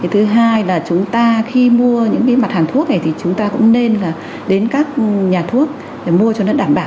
thứ hai là chúng ta khi mua những mặt hàng thuốc này thì chúng ta cũng nên đến các nhà thuốc để mua cho nó đảm bảo